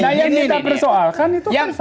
nah yang ini tak persoalkan itu kan fakta